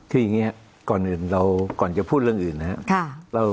คืออย่างนี้ก่อนจะพูดเรื่องอื่นนะครับ